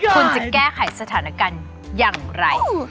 คุณจะแก้ไขสถานการณ์อย่างไร